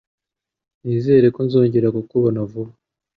Nizere ko nzongera kukubona vuba .